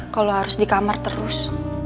kalau harus di kamar terus